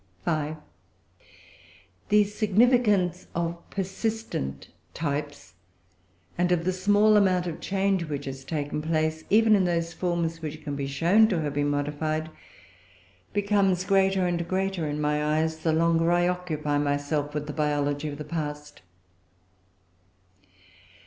5. The significance of persistent types, and of the small amount of change which has taken place even in those forms which can be shown to have been modified, becomes greater and greater in my eyes, the longer I occupy myself with the biology of the past.